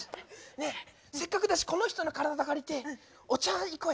ねえせっかくだしこの人の体借りてお茶行こうよ。